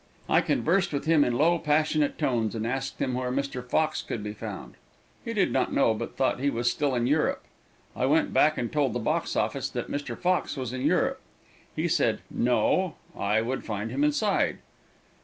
I conversed with him in low, passionate tones, and asked him where Mr. Fox could be found. He did not know, but thought he was still in Europe. I went back and told the box office that Mr. Fox was in Europe. He said No, I would find him inside.